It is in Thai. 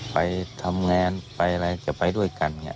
ไปทำงานไปอะไรจะไปด้วยกันอย่างนี้